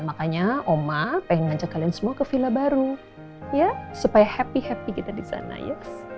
makanya oma pengen ngajak kalian semua ke villa baru ya supaya happy happy kita di sana yuk